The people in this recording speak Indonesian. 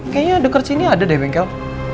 kayaknya ada kerja ini ada deh bengkel